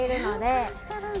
循環してるんだ。